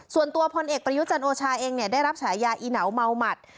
ส่วนตัวพลเอกปริยุจันโอชายเองเนี่ยได้รับฉายาอีเหนาเมาหมัด